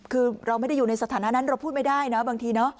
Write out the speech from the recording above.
คือเราไม่ได้อยู่ในสถานะนั้นเราพูดไม่ได้นะบางทีเนาะ